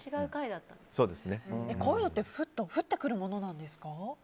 こういうのって降ってくるものなんですか？